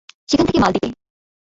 সেখান থেকে মালদ্বীপে।